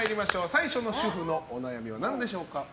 最初の主婦のお悩みは何でしょうか？